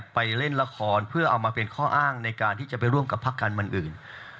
ไปเล่นละครเพื่อเอามาเป็นข้ออ้างในการที่จะไปร่วมกับพักการเมืองอื่น